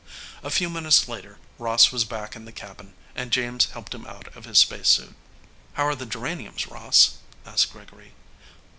A few minutes later, Ross was back in the cabin, and James helped him out of his spacesuit. "How are the geraniums, Ross?" asked Gregory.